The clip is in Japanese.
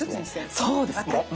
そうです！